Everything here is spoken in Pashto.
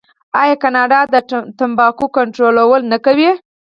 آیا کاناډا د تمباکو کنټرول نه کوي؟